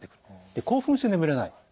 で興奮して眠れない。